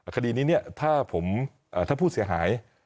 ข้าวดีนี้ถ้าผู้เสียหาย